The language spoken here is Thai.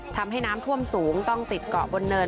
ทำให้น้ำท่วมสูงต้องติดเกาะบนเนิน